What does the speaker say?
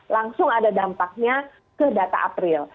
langsung ada dampaknya ke data april